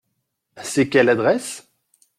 C’est quelle adresse ?